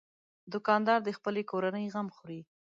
دوکاندار د خپلې کورنۍ غم خوري.